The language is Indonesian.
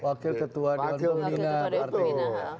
wakil ketua di wadul mina